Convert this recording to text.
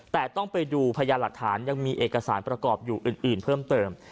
แต่ต้องไปดูพยานหลักฐานยังมีเอกสารประกอบอยู่อื่นเพิ่มเติม